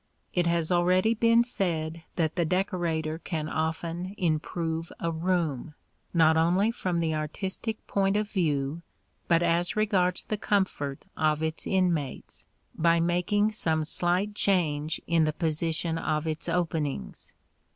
It has already been said that the decorator can often improve a room, not only from the artistic point of view, but as regards the comfort of its inmates, by making some slight change in the position of its openings.